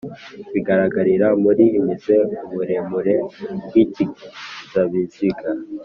bigaragarira muri m z' uburemure bw' ikinzabiziga